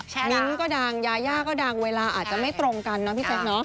มิ้นท์ก็ดังยาย่าก็ดังเวลาอาจจะไม่ตรงกันนะพี่แซ็ค